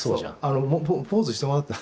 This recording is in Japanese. あのポーズしてもらった。